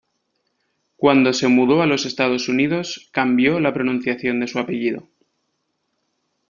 Cuando se mudó a los Estados Unidos cambió la pronunciación de su apellido.